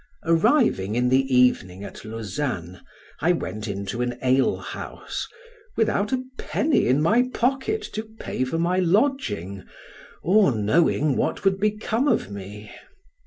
Arriving in the evening at Lausanne, I went into an ale house, without a penny in my pocket to pay for my lodging, or knowing what would become of me.